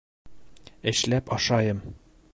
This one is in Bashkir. Эшләп ашайым!